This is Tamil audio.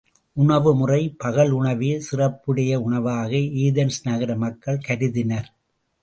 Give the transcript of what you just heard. உணவு முறை பகல் உணவே சிறப்புடைய உணவாக ஏதென்ஸ் நகர மக்கள் கருதினர்.